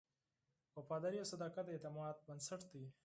وفاداري او صداقت د اعتماد بنسټ دی.